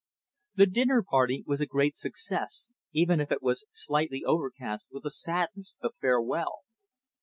The dinner party was a great success, even if it was slightly overcast with the sadness of farewell.